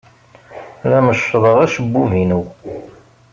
La meccḍeɣ acebbub-inu.